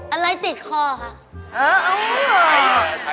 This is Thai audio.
อะไรติดคอค่ะ